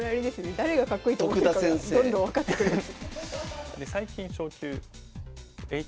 誰がかっこいいと思ってるかがどんどん分かってくるやつ。